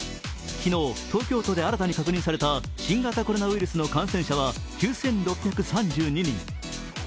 昨日、東京都で新たに確認された新型コロナウイルスの感染者は９６３２人。